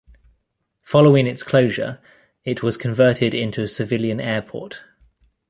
Following its closure, it was converted into a civilian airport.